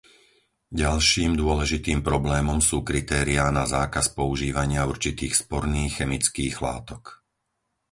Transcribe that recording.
Ďalším dôležitým problémom sú kritériá na zákaz používania určitých sporných chemických látok.